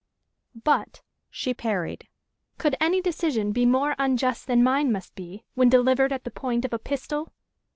"But," she parried, "could any decision be more unjust than mine must be, when delivered at the point of a pistol?"